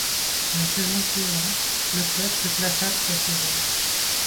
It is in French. La saison suivante, le club se classa de sa série.